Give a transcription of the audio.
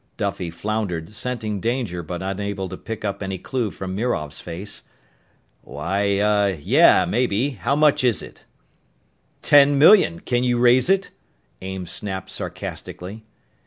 Duffy floundered, scenting danger but unable to pick up any clue from Mirov's face. "Why uh yeah, maybe. How much is it?" "Ten million! Can you raise it?" Ames snapped sarcastically.